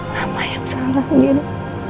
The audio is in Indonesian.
mama yang salah gino